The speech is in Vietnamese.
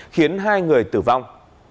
khiến hai người tử vong